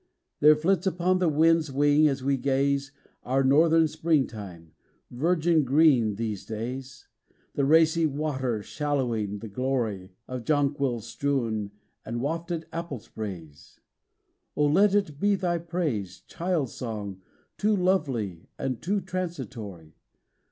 There flits upon the wind's wing, as we gaze, Our northern springtime, virgin green three days; The racy water shallowing, the glory Of jonquils strewn, the wafted apple sprays: O let it be thy praise, Child song too lovely and too transitory!